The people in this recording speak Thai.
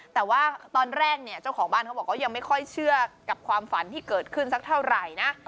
แต่ว่าตอนแรกเนี่ยเจ้าของบ้านเขาบอกว่ายังไม่ค่อยเชื่อกับความฝันที่เกิดขึ้นสักเท่าไหร่นะ